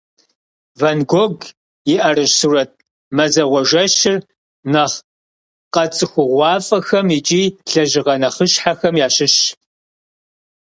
Ван Гог и ӏэрыщӏ сурэт «Мазэгъуэ жэщыр» нэхъ къэцӏыхугъуафӏэхэм икӏи лэжьыгъэ нэхъыщхьэхэм ящыщщ.